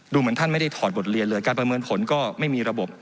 เหมือนท่านไม่ได้ถอดบทเรียนเลยการประเมินผลก็ไม่มีระบบ